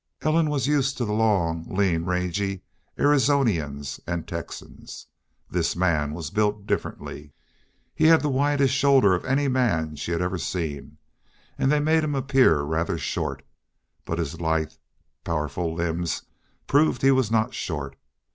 Ellen was used to the long, lean, rangy Arizonians and Texans. This man was built differently. He had the widest shoulders of any man she had ever seen, and they made him appear rather short. But his lithe, powerful limbs proved he was not short.